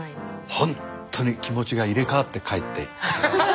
本当に気持ちが入れ代わって帰って。